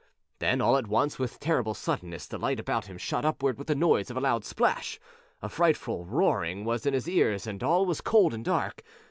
Then all at once, with terrible suddenness, the light about him shot upward with the noise of a loud plash; a frightful roaring was in his ears, and all was cold and dark.